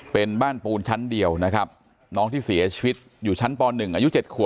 เป็นบ้านปูนชั้นเดียวนะครับน้องที่เสียชีวิตอยู่ชั้นป๑อายุ๗ขัว